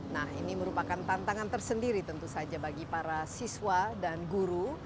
nah ini merupakan tantangan tersendiri tentu saja bagi para siswa dan guru